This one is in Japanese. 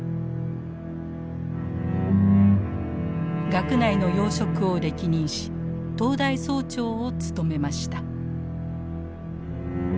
学内の要職を歴任し東大総長を務めました。